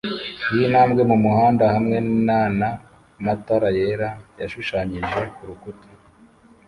yintambwe mumuhanda hamwe nana matara yera yashushanyije kurukuta